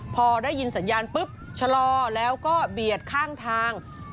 พอได้ยินสัญญาณปุ๊บชะลอแล้วก็เบียดข้างทาง